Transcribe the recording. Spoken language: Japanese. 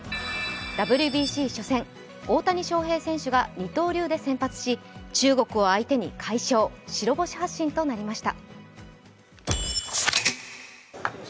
ＷＢＣ初戦、大谷翔平選手が二刀流で先発し中国を相手に快勝白星発進となりました。